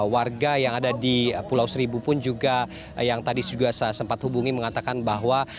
warga yang ada di pulau seribu pun juga yang tadi juga saya sempat hubungi mengatakan bahwa